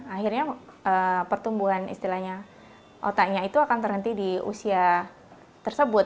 akhirnya pertumbuhan istilahnya otaknya itu akan terhenti di usia tersebut